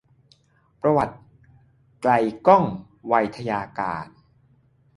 ประวัติ ไกลก้อง ไวทยการ